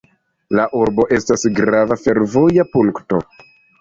La urbo estas grava fervoja punkto.